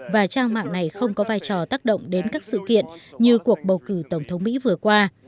và trang mạng này không có vai trò tác động đến các sự kiện như cuộc bầu cử tổng thống mỹ vừa qua